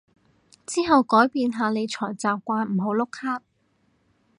之後改變下理財習慣唔好碌卡